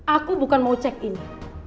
aku bukan mau cek ini